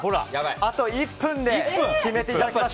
あと１分で決めていただきます。